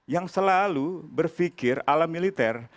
yang selalu berpikir ala militer